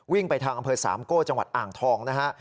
ไปทางอำเภอสามโก้จังหวัดอ่างทองนะฮะ